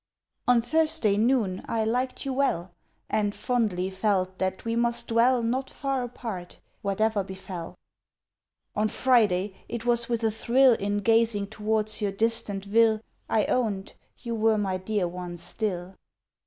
On Thursday noon I liked you well, And fondly felt that we must dwell Not far apart, whatever befell. On Friday it was with a thrill In gazing towards your distant vill I owned you were my dear one still.